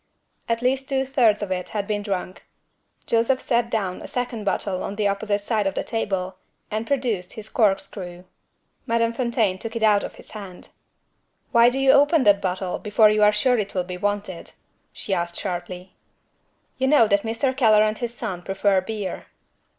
At least two thirds of it had been drunk. Joseph set down a second bottle on the opposite side of the table, and produced his corkscrew. Madame Fontaine took it out of his hand. "Why do you open that bottle, before you are sure it will be wanted?" She asked sharply. "You know that Mr. Keller and his son prefer beer."